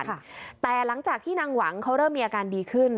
แต่หลังจากที่นางหวังเขาเริ่มมีอาการดีขึ้น